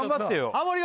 ハモリ